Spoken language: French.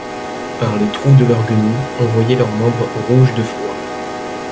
Par les trous de leurs guenilles, on voyait leurs membres rouges de froid.